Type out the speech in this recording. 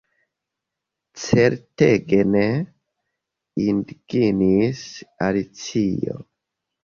"Certege ne!" indignis Alicio.